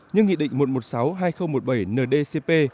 như nghị định một trăm một mươi sáu hai nghìn một mươi bảy ndcp